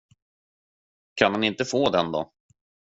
Kan han inte få den då?